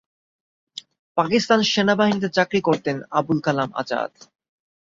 পাকিস্তান সেনাবাহিনীতে চাকরি করতেন আবুল কালাম আজাদ।